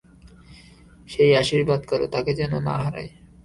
সেই আশীর্বাদ করো, তাঁকে যেন না হারাই।